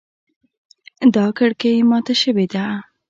دا کړکۍ ماته شوې ده